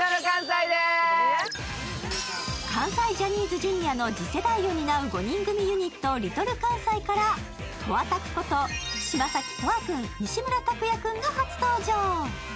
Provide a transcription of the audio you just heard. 関西ジャニーズＪｒ．の次世代を担う５人組ユニットＬｉｌかんさいからとあたくこと、嶋崎斗亜君、西村拓哉君が初登場。